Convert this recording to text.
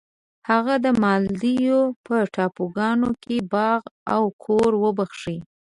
هغه د مالدیو په ټاپوګانو کې باغ او کور وبخښی.